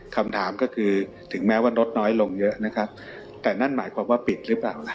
คำถามก็คือถึงแม้ว่ารถน้อยลงเยอะนะครับแต่นั่นหมายความว่าปิดหรือเปล่า